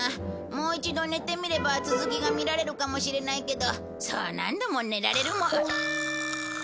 もう一度寝てみれば続きが見られるかもしれないけどそう何度も寝られる。